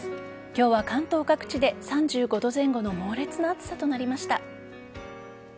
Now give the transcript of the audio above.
今日は関東各地で３５度前後の猛烈な暑さとなりました。